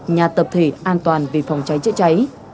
nhà tập thể an toàn về phòng cháy chữa cháy